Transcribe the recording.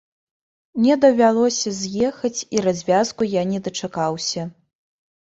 Мне давялося з'ехаць, і развязкі я не дачакаўся.